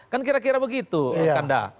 kan kira kira begitu kanda